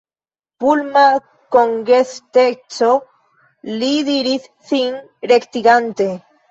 Pulma kongesteco, li diris, sin rektigante.